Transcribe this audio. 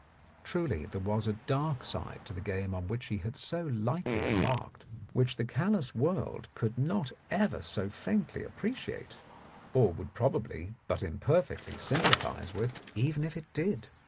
Truly there was a dark side to the game on which he had so lightly embarked, which the callous world could not ever so faintly appreciate, or would prob ably but imperfectly sympathize with even if it did.